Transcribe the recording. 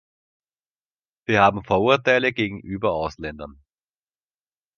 Sie haben Vorurteile gegenüber Ausländern.